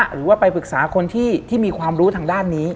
หรือว่าไปปรึกษาคนที่มีความรู้ทางด้านนี้